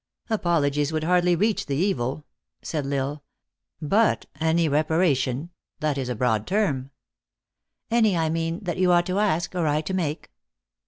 " Apologies would hardly reach the evil," said L Isle. " But any reparation ! That is a broad term." " Any, I mean, that you ought to ask, or I to make."